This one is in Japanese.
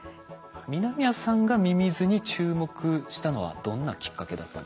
南谷さんがミミズに注目したのはどんなきっかけだったんでしょうか？